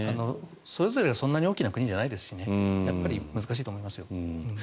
それぞれがそんなに大きな国じゃないですしやっぱり難しいと思いますよ。